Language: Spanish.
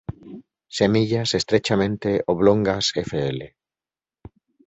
Semillas estrechamente oblongas- Fl.